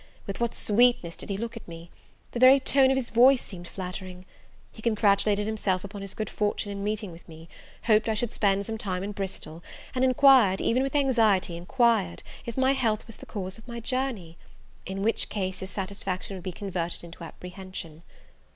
with what sweetness did he look at me! the very tone of his voice seemed flattering! he congratulated himself upon his good fortune in meeting with me; hoped I should spend some time in Bristol, and enquired, even with anxiety enquired, if my health was the cause of my journey; in which case his satisfaction would be converted into apprehension.